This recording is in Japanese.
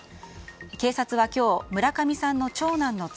警察は今日、村上さんの長男の妻